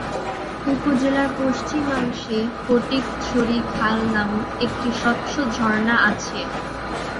উপজেলার পশ্চিমাংশে ফটিকছড়ি খাল নামক একটি স্বচ্ছ ঝর্ণা আছে।